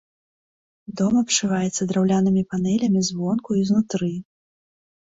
Дом абшываецца драўлянымі панелямі звонку і знутры.